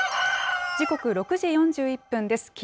時刻６時４１分です。